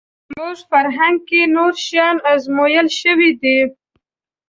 زموږ فرهنګ کې نور شیان ازمویل شوي دي